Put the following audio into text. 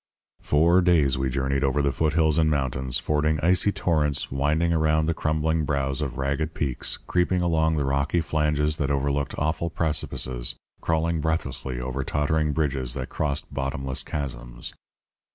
"Four days we journeyed over the foot hills and mountains, fording icy torrents, winding around the crumbling brows of ragged peaks, creeping along the rocky flanges that overlooked awful precipices, crawling breathlessly over tottering bridges that crossed bottomless chasms.